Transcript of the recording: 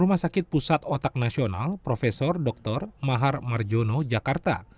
rumah sakit pusat otak nasional prof dr mahar marjono jakarta